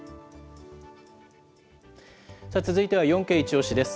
さあ、続いては４Ｋイチオシ！です。